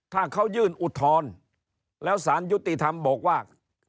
ถ้าเขายื่นอุทธรณ์แล้วสารยุติธรรมบอกว่า